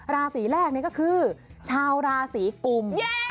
ราศีแรกนี่ก็คือชาวราศีกุม